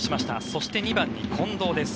そして２番に近藤です。